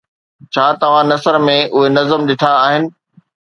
ڇا توهان نثر ۾ اهي نظم ڏٺا آهن؟